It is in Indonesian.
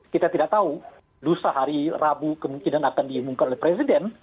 kita tidak tahu lusa hari rabu kemungkinan akan diumumkan oleh presiden